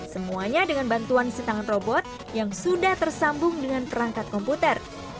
semuanya dengan bantuan si tangan robot yang sudah tersambung dengan perangkat komputer